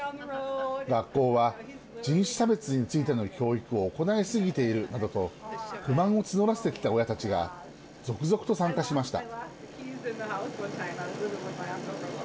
学校は人種差別についての教育を行いすぎているなどと不満を募らせてきた親たちが続々と参加しました。